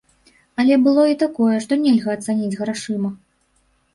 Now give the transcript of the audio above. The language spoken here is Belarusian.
Але было і такое, што нельга ацаніць грашыма.